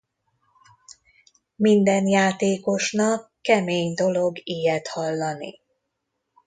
Minden játékosnak kemény dolog ilyet hallani.